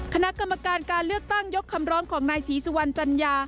คณะกรรมการการเลือกตั้งยกคำร้องของนายศรีสุวรรณจัญญา